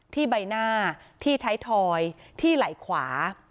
ใบหน้าที่ท้ายทอยที่ไหล่ขวา